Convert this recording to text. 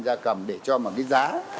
ra cầm để cho mà cái giá